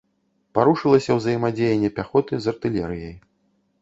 Парушылася ўзаемадзеянне пяхоты з артылерыяй.